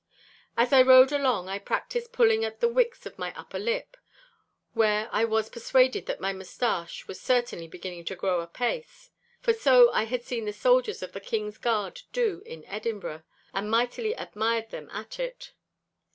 As I rode along I practised pulling at the wicks of my upper lip, where I was persuaded that my moustache was certainly beginning to grow apace. For so I had seen the soldiers of the King's Guard do in Edinburgh, and mightily admired them at it.